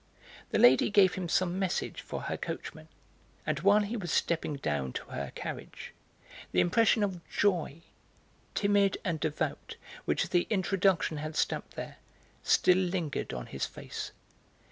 The lady gave him some message for her coachman, and while he was stepping down to her carriage the impression of joy, timid and devout, which the introduction had stamped there, still lingered on his face.